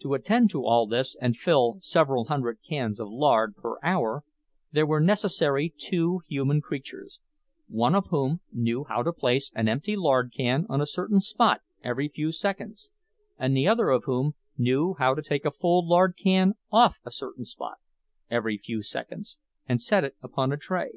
To attend to all this and fill several hundred cans of lard per hour, there were necessary two human creatures, one of whom knew how to place an empty lard can on a certain spot every few seconds, and the other of whom knew how to take a full lard can off a certain spot every few seconds and set it upon a tray.